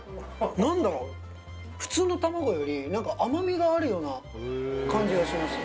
何だろう普通の卵より何か甘みがあるような感じがします